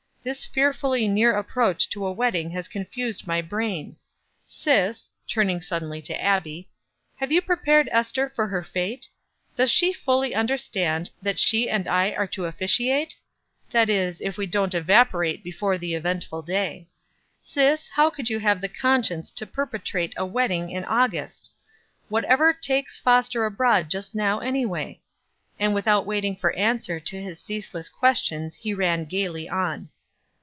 This fearfully near approach to a wedding has confused my brain. Sis" turning suddenly to Abbie "Have you prepared Ester for her fate? Does she fully understand that she and I are to officiate? that is, if we don't evaporate before the eventful day. Sis, how could you have the conscience to perpetrate a wedding in August? Whatever takes Foster abroad just now, any way?" And without waiting for answer to his ceaseless questions he ran gaily on.